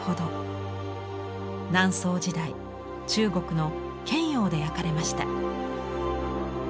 南宋時代中国の建窯で焼かれました。